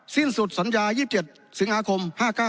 สิ้นสุดสัญญา๒๗สิงหาคม๕๙